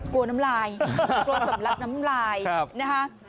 กลัวน้ำลายกลัวสำลักน้ำลายนะคะ